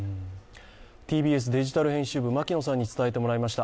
ＴＢＳデジタル編集部、牧野さんに伝えていただきました。